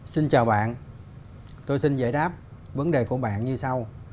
xin chào bạn tôi xin giải đáp vấn đề của bạn như sau